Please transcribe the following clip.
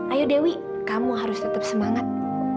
ayo dewi kamu harus tetap semangat